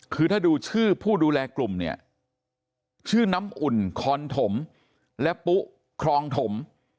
คือถ้าดูชื่อผู้ดูแลกลุ่มเนี่ยชื่อน้ำอุ่นคอนถมและปุ๊ครองถม